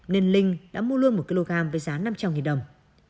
nên linh đã mua luôn một kg với giá năm trăm linh đồng